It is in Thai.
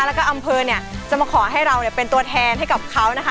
แล้วก็อำเภอเนี่ยจะมาขอให้เราเป็นตัวแทนให้กับเขานะคะ